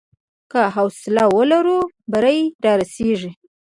که حوصله ولرو، بری رارسېږي.